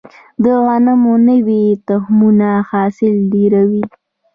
د غنمو نوي تخمونه حاصل ډیروي.